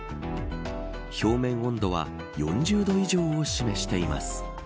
表面温度は４０度以上を示しています。